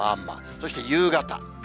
そして夕方。